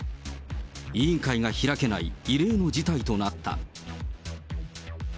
委員会が開けない、異例の事態となった。